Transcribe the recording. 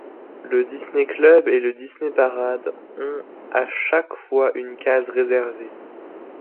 Le Disney Club et le Disney Parade ont à chaque fois une case réservée.